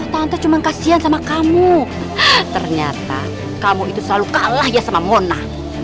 tante cuma kasian sama kamu ternyata kamu itu selalu kalah ya sama mona